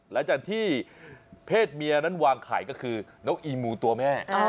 หลังจากที่เพศเมียนั้นวางไข่ก็คือนกอีมูตัวแม่